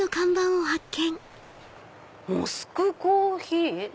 「モスク・コーヒー」？